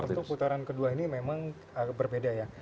untuk putaran kedua ini memang berbeda ya